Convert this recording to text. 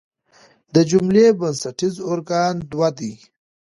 د جملې بنسټیز ارکان دوه دي.